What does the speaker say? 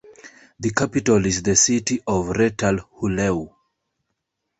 The capital is the city of Retalhuleu.